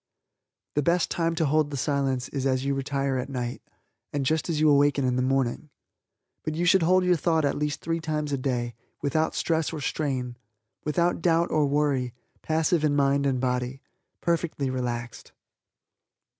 The best time to hold the Silence is as you retire at night, and just as you awaken in the morning. But you should hold your thought at least three times a day, without stress or strain, without doubt or worry, passive in mind and body perfectly relaxed.